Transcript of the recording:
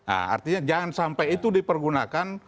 artinya jangan sampai itu dipergunakan